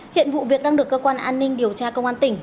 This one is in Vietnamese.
hiện vụ việc đang được cơ quan an ninh điều tra công an tỉnh